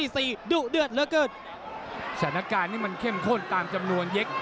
ศนาการนี้เข้มข้นตามจำนวนยก